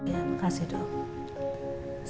ya makasih dok